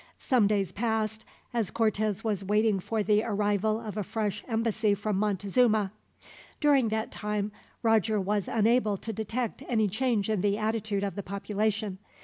Some days passed, as Cortez was waiting for the arrival of a fresh embassy from Montezuma. During that time Roger was unable to detect any change in the attitude of the population.